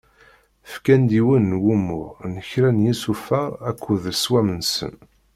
Ffkan-d yiwen n wumuɣ n kra n yisufar akked leswam-nsen.